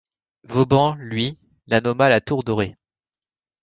Vauban, lui, la nomma la tour dorée.